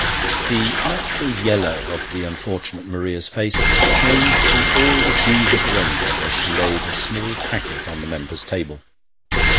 The natural yellow of the unfortunate Maria's face changed to all the hues of the rainbow, as she laid a small packet on the member's table.